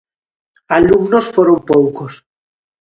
Alumnos foron poucos.